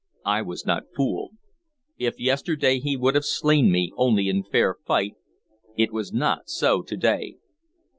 I was not fooled. If yesterday he would have slain me only in fair fight, it was not so to day.